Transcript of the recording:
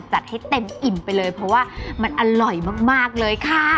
จัดให้เต็มอิ่มไปเลยเพราะว่ามันอร่อยมากเลยค่ะ